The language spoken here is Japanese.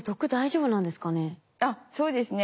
あっそうですね。